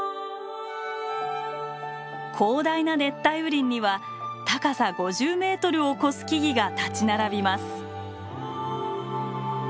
広大な熱帯雨林には高さ５０メートルを超す木々が立ち並びます。